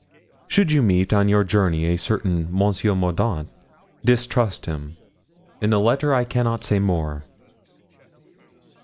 "Should you meet on your journey a certain Monsieur Mordaunt, distrust him, in a letter I cannot say more."